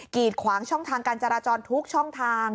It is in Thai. ีดขวางช่องทางการจราจรทุกช่องทาง